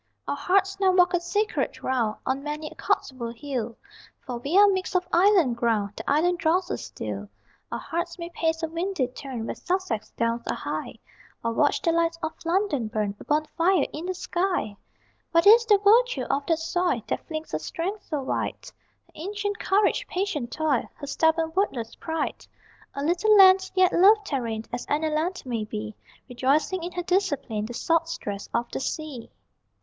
Our hearts now walk a secret round On many a Cotswold hill, For we are mixed of island ground, The island draws us still: Our hearts may pace a windy turn Where Sussex downs are high, Or watch the lights of London burn, A bonfire in the sky! What is the virtue of that soil That flings her strength so wide? Her ancient courage, patient toil, Her stubborn wordless pride? A little land, yet loved therein As any land may be, Rejoicing in her discipline, The salt stress of the sea.